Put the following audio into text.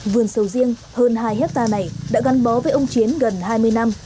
vườn sầu riêng hơn hai hectare này đã gắn bó với ông chiến gần hai mươi năm